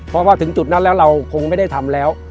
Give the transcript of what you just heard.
เพราะว่าถึงจุดนั้นแล้วเราคงไม่ได้ทำแล้ว